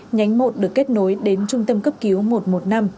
nhánh một được kết nối đến trung tâm cấp cứu một trăm một mươi năm